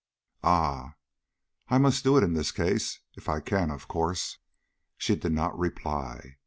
"Ah!" "I must do it in this case if I can, of course." She did not reply.